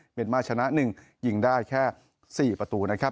เมียนมาชนะ๑ยิงได้แค่๔ประตูนะครับ